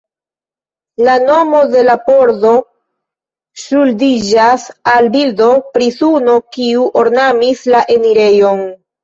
La nomo de la pordo ŝuldiĝas al bildo pri suno kiu ornamis la enirejon.